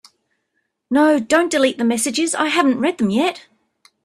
No, don’t delete the messages, I haven’t read them yet.